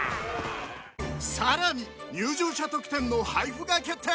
さらに入場者特典の配布が決定！